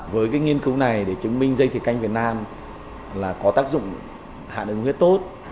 với nghiên cứu này để chứng minh dây thỉa canh việt nam có tác dụng hạ đường huyết tốt